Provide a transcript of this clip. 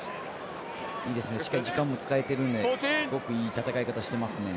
しっかり時間も使えてるのですごくいい戦い方してますね。